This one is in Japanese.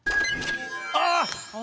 ああ！